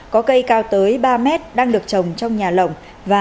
có cây cao tới ba mét đang được trồng trong nhà lồng